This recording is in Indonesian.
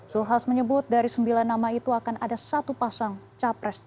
zulkifli hasan menyebut dari sembilan nama itu akan ada satu pasang capres